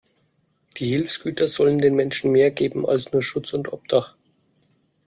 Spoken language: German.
Die Hilfsgüter sollen den Menschen mehr geben als nur Schutz und Obdach.